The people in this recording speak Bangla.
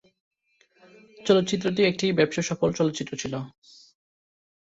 চলচ্চিত্রটি একটি ব্যবসাসফল চলচ্চিত্র ছিল।